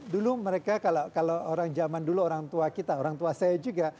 dulu mereka kalau orang zaman dulu orang tua kita orang tua saya juga